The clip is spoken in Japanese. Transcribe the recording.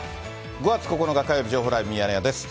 ５月９日火曜日、情報ライブミヤネ屋です。